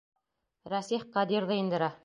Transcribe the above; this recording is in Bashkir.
Рәсих Ҡадирҙы индерә.